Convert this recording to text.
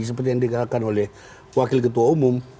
seperti yang dikatakan oleh wakil ketua umum